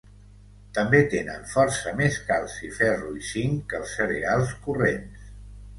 També tenen força més calci, ferro i zinc que els cereals corrents.